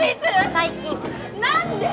最近何で！？